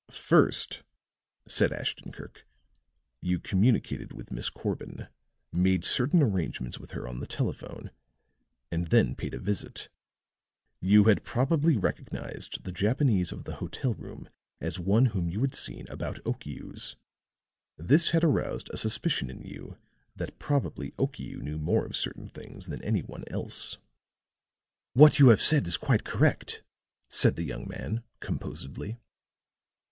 "First," said Ashton Kirk, "you communicated with Miss Corbin, made certain arrangements with her on the telephone and then paid a visit. You had probably recognized the Japanese of the hotel room as one whom you had seen about Okiu's. This had aroused a suspicion in you that possibly Okiu knew more of certain things than any one else." "What you have said is quite correct," said the young man, composedly.